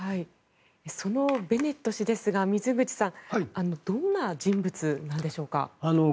そのベネット氏ですが水口さんどんな人物なんでしょうか。